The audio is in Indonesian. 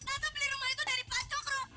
atau beli rumah itu dari pak cokro